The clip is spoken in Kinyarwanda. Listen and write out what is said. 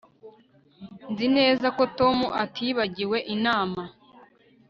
Nzi neza ko Tom atibagiwe inama